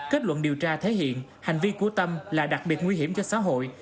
kết luận điều tra thể hiện hành vi của tâm là đặc biệt nguy hiểm cho xã hội